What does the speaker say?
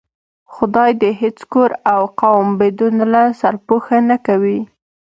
خدا دې هېڅ کور او قوم بدون له سرپوښه نه کوي.